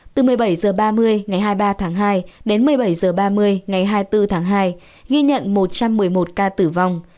từ một mươi bảy h ba mươi ngày hai mươi ba tháng hai đến một mươi bảy h ba mươi ngày hai mươi bốn tháng hai ghi nhận một trăm một mươi một ca tử vong